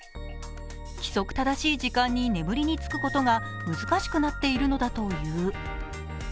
規則正しい時間に眠りにつくことが難しくなっているのだという。